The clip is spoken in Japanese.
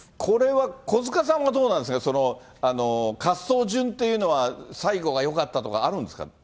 これは小塚さんはどうなんですか、滑走順っていうのは最後がよかったとかあるんですか？